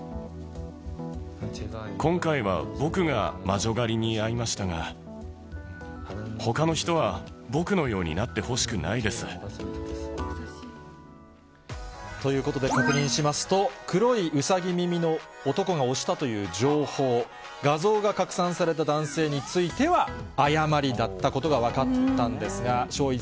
今回は僕が魔女狩りに遭いましたが、ほかの人は僕のようになってほしくないです。ということで、確認しますと、黒いウサギ耳の男が押したという情報、画像が拡散された男性については誤りだったことが分かったんです